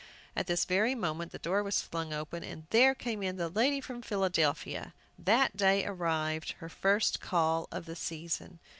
at this very moment the door was flung open, and there came in the lady from Philadelphia, that day arrived, her first call of the season!